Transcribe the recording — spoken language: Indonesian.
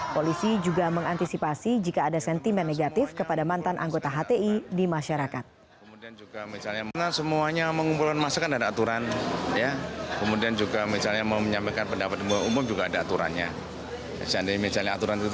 polisi juga mengantisipasi jika ada sentimen negatif kepada mantan anggota hti di masyarakat